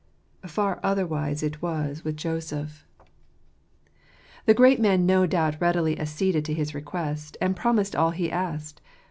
Far ! otherwise it was with Joseph. 66 $tqis of itje ^Ijrotte. The great man no doubt readily acceded to his request, and promised all he asked.